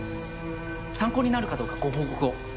参考になるかどうかご報告を。